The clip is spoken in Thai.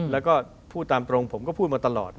แล้วก็พูดตามตรงผมก็พูดมาตลอด